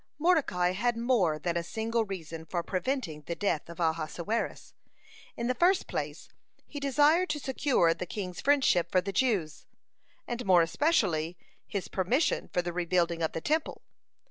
Mordecai had more than a single reason for preventing the death of Ahasuerus. In the first place, he desired to secure the king's friendship for the Jews, and more especially his permission for the rebuilding of the Temple.